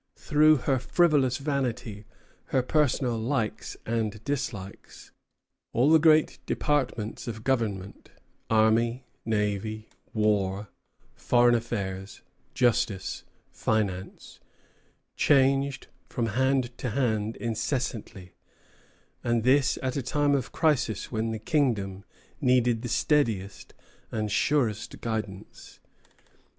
Through her frivolous vanity, her personal likes and dislikes, all the great departments of government army, navy, war, foreign affairs, justice, finance changed from hand to hand incessantly, and this at a time of crisis when the kingdom needed the steadiest and surest guidance.